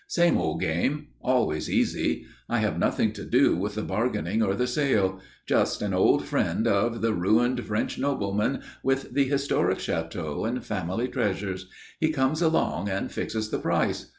"Same old game. Always easy. I have nothing to do with the bargaining or the sale. Just an old friend of the ruined French nobleman with the historic château and family treasures. He comes along and fixes the price.